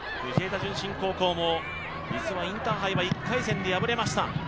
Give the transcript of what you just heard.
順心高校も実はインターハイは１回戦で敗れました。